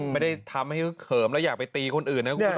ไม่ได้ทำให้เขิมแล้วอยากไปตีคนอื่นนะ